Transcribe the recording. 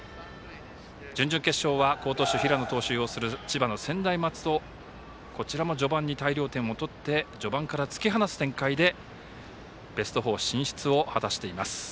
準々決勝は好投手、平の投手を擁する千葉の専大松戸、こちらも序盤に大量点を取って序盤から突き放す展開でベスト４進出を果たしています。